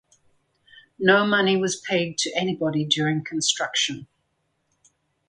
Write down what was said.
No money was paid to anybody during construction.